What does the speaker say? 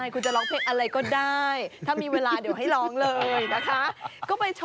คุณจะร้องเพลงอะไรก็ได้ถ้ามีเวลาเดี๋ยวให้ร้องเลยนะคะ